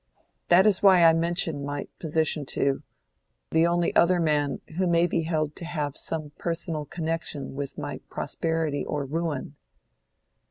That is why I mention my position to—to the only other man who may be held to have some personal connection with my prosperity or ruin."